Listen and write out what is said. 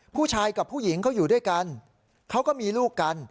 ผู้ชายกับผู้หญิงเขาอยู่ด้วยกันเขาก็มีลูกกัน